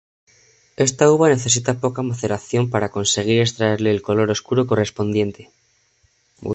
Esta uva necesita poca maceración para conseguir extraerle el color oscuro correspondiente.